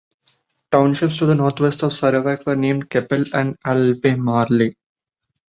Townships to the northwest of Sarawak were named Keppel and Albemarle.